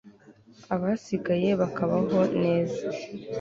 abasigaye bakabaho neza